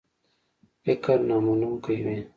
فکر نامنونکی وي.